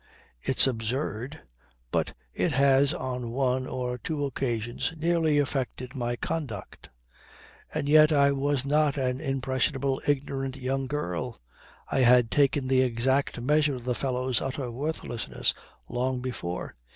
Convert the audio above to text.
It's absurd, but it has on one or two occasions nearly affected my conduct. And yet I was not an impressionable ignorant young girl. I had taken the exact measure of the fellow's utter worthlessness long before.